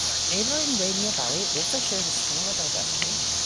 Neighboring Rainier Valley also shows a similar diversity.